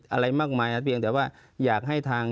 อะไรมากมายแต่ว่าอยากให้ทาง